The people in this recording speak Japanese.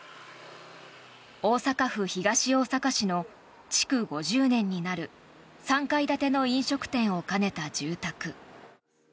大阪府東大阪市の築５０年になる３階建ての飲食店を兼ねた住宅。